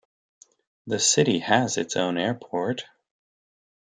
The city has its own airport.